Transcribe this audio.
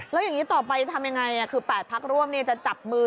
แล้วอย่างนี้ต่อไปทำยังไงคือ๘พักร่วมจะจับมือ